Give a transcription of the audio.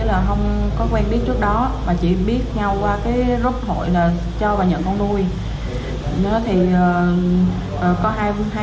em không quen biết trước đó chỉ biết nhau qua group hội cho và nhận con nuôi